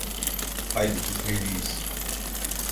Haydi, gitmeliyiz.